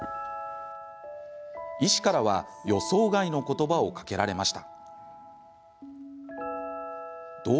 医師からは予想外の言葉をかけられました。